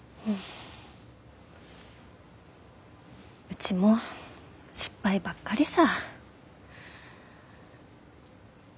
うちも失敗ばっかりさ。